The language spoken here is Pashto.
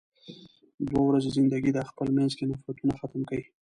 دوه ورځې زندګی ده، خپل مينځ کې نفرتونه ختم کې.